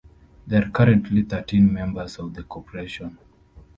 There are currently thirteen members of the Corporation.